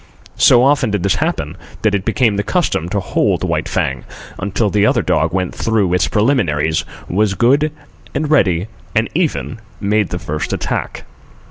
So often did this happen, that it became the custom to hold White Fang until the other dog went through its preliminaries, was good and ready, and even made the first attack.